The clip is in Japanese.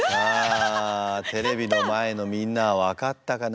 さあテレビの前のみんなは分かったかな？